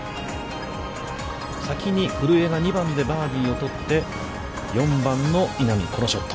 先に古江が２番でバーディーをとって、４番の稲見、このショット。